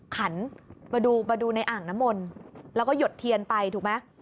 ขันมาดูมาดูในอ่างน้ำมนต์แล้วก็หยดเทียนไปถูกไหม